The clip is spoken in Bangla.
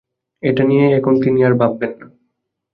এটা নিয়ে এখন তিনি আর ভাববেন না।